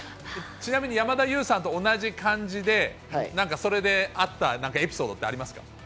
ちなみに山田優さんと同じ漢字で、なんかそれであったエピソードってありますか？